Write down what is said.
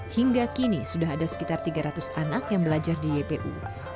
hingga kini sudah ada sekitar tiga ratus anak yang belajar di ypu